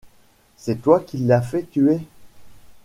C’est toi qui l’as fait tuer !